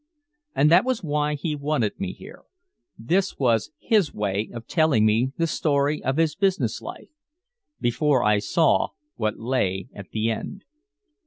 And that was why he wanted me here, this was his way of telling me the story of his business life before I saw what lay at the end.